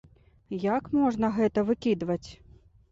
Як можна гэта выкідваць?